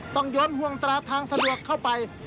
ยนห่วงตราทางสะดวกเข้าไป